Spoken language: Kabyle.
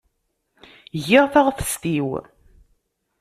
Giɣ taɣtest-iw.